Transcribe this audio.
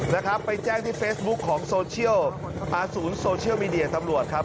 และไปแจ้งที่เฟซบุ๊คของโซเชียลอสูรโซเชียลมีเดียตำรวจครับ